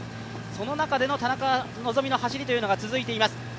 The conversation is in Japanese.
その中での田中希実の走りが続いています。